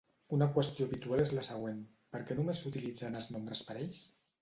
Una qüestió habitual és la següent: perquè només s'utilitzen els nombres parells?